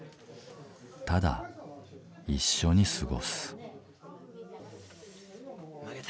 ただ一緒に過ごす。